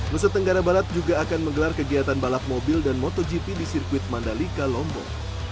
nusa tenggara barat juga akan menggelar kegiatan balap mobil dan motogp di sirkuit mandalika lombok